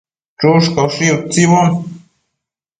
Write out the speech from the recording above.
Chushcaushi utsibo